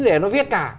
để nó viết cả